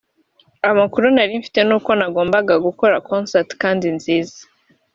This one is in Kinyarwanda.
amakuru nari mfite ni uko nagombaga gukora concert kandi nziza